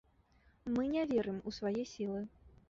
Мы не верым у свае сілы.